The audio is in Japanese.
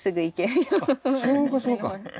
そうかそうか。